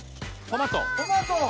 トマト。